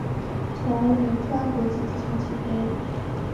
从仁川国际机场起飞。